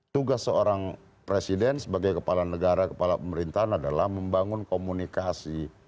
tugas seorang presiden sebagai kepala negara kepala pemerintahan adalah membangun komunikasi